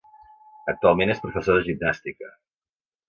Actualment és professor de gimnàstica.